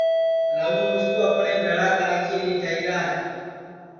راموں مِسکُو اپٹؔے بھیݪا کراچی لی جائیرا ہے